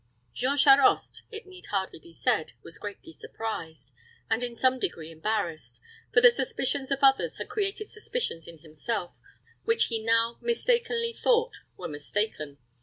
Jean Charost, it need hardly be said, was greatly surprised, and, in some degree, embarrassed; for the suspicions of others had created suspicions in himself, which he now mistakenly thought were mistaken.